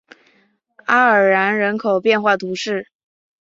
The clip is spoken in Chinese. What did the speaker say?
阿尔然人口变化图示